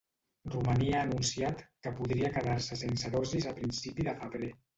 Romania ha anunciat que podria quedar-se sense dosis a principi de febrer.